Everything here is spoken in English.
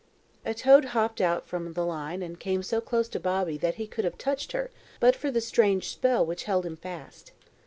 A toad hopped out from the line and came so close to Bobby that he could have touched her but for the strange spell which held him fast.